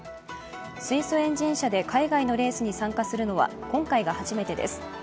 水素エンジン車で海外のレースに参加するのは今回が初めてです。